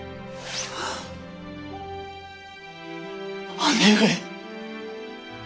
姉上！